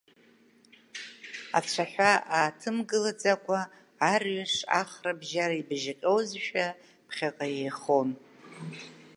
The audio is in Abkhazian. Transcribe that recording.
Ацәаҳәа ааҭымгылаӡакәа, арҩаш ахра бжьара ибыжьҟьозшәа, ԥхьаҟа иеихон.